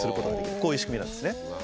こういう仕組みなんですね。